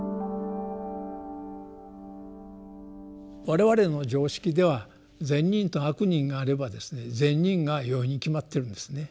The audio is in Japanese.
我々の常識では「善人」と「悪人」があればですね「善人」がよいに決まってるんですね。